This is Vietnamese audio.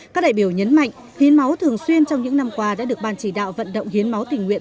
các đại biểu nhấn mạnh hiến máu thường xuyên trong những năm qua đã được ban chỉ đạo vận động hiến máu tình nguyện